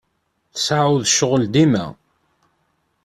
Tseɛɛuḍ ccɣel dima?